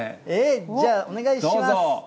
じゃあ、お願いします。